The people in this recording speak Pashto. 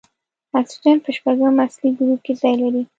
اکسیجن په شپږم اصلي ګروپ کې ځای لري.